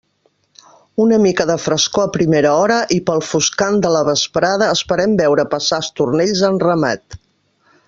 Una mica de frescor a primera hora, i pel foscant de la vesprada esperem veure passar estornells en ramat.